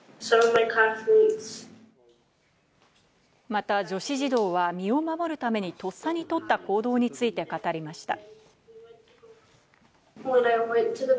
また女子児童は身を守るためにとっさにとった行動について語りました。